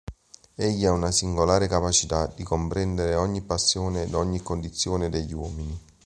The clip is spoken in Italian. Egli ha una singolare capacità di comprendere ogni passione ed ogni condizione degli uomini.